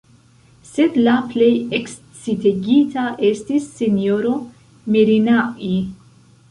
Sed la plej ekscitegita estis S-ro Merinai.